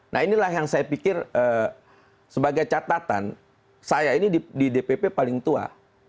nah inilah yang saya pikir sebagai catatan saya ini di dpp paling tua